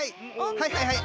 はいはいはい！